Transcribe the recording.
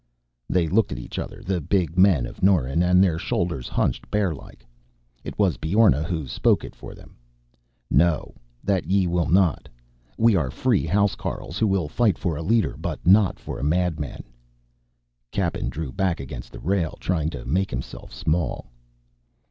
They looked at each other, the big men of Norren, and their shoulders hunched bear like. It was Beorna who spoke it for them: "No, that ye will not. We are free housecarls, who will fight for a leader but not for a madman." Cappen drew back against the rail, trying to make himself small.